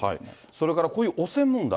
それからこういう汚染問題。